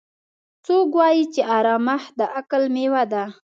څوک وایي چې ارامښت د عقل میوه ده